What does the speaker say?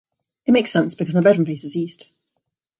It makes sense because my bedroom faces east